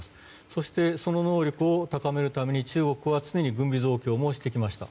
そして、その能力を高めるために中国は常に軍備増強もしてきました。